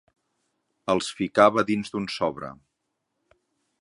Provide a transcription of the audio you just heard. Els ficava dins d'un sobre